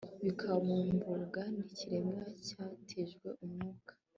bikabumbwa n'ikiremwa cyatijwe umwuka